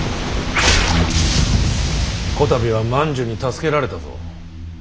こたびは万寿に助けられたぞ。